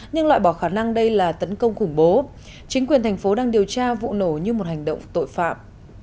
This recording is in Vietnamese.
nhưng loại bỏ khả năng đây là tấn công khủng bố chính quyền thành phố đang điều tra vụ nổ như một hành động tội phạm